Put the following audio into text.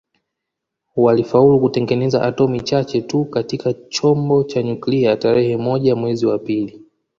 Walifaulu kutengeneza atomi chache tu katika chombo cha nyuklia tarehe moja mwezi wa pili